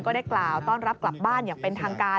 ได้กล่าวต้อนรับกลับบ้านอย่างเป็นทางการ